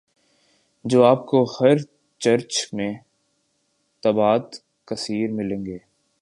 جو آپ کو ہر چرچ میں بتعداد کثیر ملیں گے